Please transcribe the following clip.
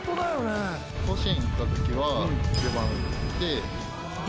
甲子園いったときは４番で。